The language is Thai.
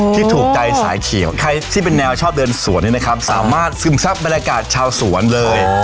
ที่ถูกใจสายเขียวใครที่เป็นแนวชอบเดินสวนนี้นะครับสามารถซึมซับบรรยากาศชาวสวนเลย